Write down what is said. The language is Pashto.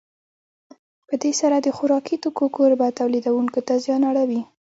په دې سره د خوراکي توکو کوربه تولیدوونکو ته زیان اړوي.